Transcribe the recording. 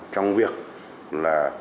trong việc là